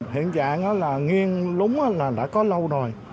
hiện trạng là nghiêng lúng là đã có lâu rồi